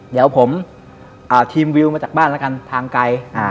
เดี๋ยวผมทีมวิวมาจากบ้านแล้วกันทางไกล